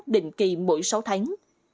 định kỳ mỗi sáu tháng